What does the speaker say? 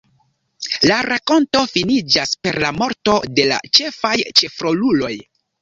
La rakonto finiĝas per la morto de la ĉefaj ĉefroluloj.